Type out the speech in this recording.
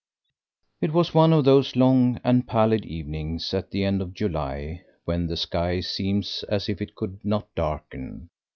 It was one of those long and pallid evenings at the end of July, when the sky seems as if it could not darken.